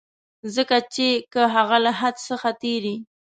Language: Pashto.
ځکه چي که هغه له حد څخه تېری.